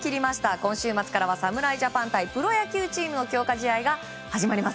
今週末からは侍ジャパン対プロ野球チームの強化試合が始まります。